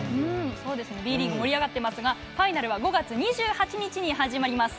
そうですね、Ｂリーグ盛り上がってますが、ファイナルは５月２８日に始まります。